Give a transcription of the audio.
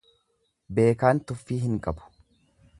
Beekaan tuffii hin qabu.